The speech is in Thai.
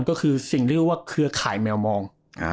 ก็คือสิ่งเรียกว่าเครือข่ายแมวมอง